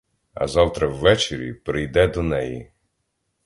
А завтра ввечері прийде до неї.